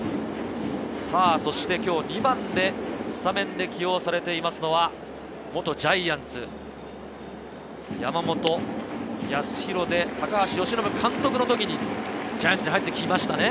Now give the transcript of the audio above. そして今日、２番でスタメンで起用されていますのは元ジャイアンツ・山本泰寛で、高橋由伸監督の時にジャイアンツに入ってきましたね。